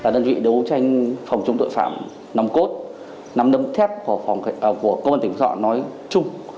đơn vị đấu tranh phòng chống tội phạm nằm cốt nằm đấm thép của công an tỉnh phú thỏ nói chung